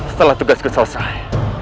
setelah tugasku selesai